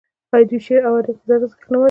آیا دوی شعر او ادب ته ارزښت نه ورکوي؟